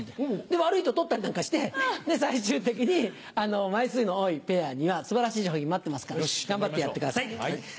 で悪いと取ったりなんかして最終的に枚数の多いペアには素晴らしい賞品が待ってますから頑張ってやってください。